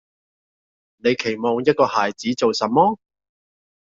你期望一個孩子做什麼？